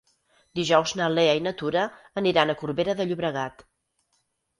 Dijous na Lea i na Tura aniran a Corbera de Llobregat.